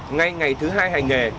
ngay ngày thứ hai hành nghề